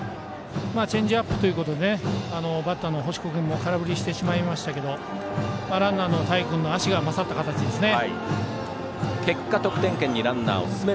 チェンジアップということでバッターの星子君も空振りしてしまいましたけどランナーの田井君の足が勝った形ですね。